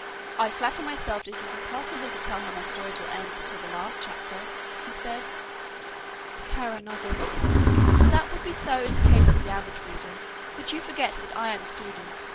"I flatter myself it is impossible to tell how my stories will end until the last chapter," he said. Kara nodded. "That would be so in the case of the average reader, but you forget that I am a student.